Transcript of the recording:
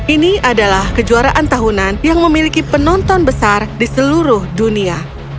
ini adalah kejuaraan tahunan yang memiliki penonton besar di seluruh dunia